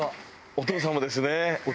お父様ですね。